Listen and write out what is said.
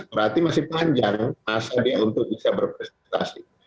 berarti masih panjang masa dia untuk bisa berprestasi